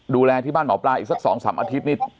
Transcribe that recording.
ดูแลที่บ้านหมอปลาอีกสัก๒๓อาทิตย์นี่